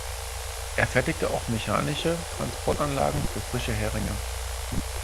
Er fertigte auch mechanische Transportanlagen für frische Heringe.